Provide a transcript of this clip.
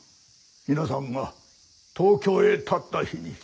皆さんが東京へ発った日に。